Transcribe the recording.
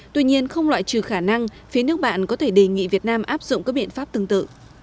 tuy nhiên không loại trừ khả năng phía nước bạn có thể đề nghị việt nam áp dụng các biện pháp tương tự